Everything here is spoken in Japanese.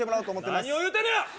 何を言うてんねや！